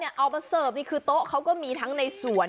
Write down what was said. เอามาเสิร์ฟนี่คือโต๊ะเขาก็มีทั้งในสวน